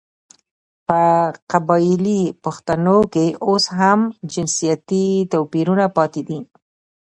په قبايلي پښتانو کې اوس هم جنسيتي تواپيرونه پاتې دي .